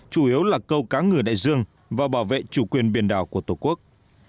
chủ yếu là câu cá ngừ đại dương và bảo vệ chủ quyền biển đảo của tổ quốc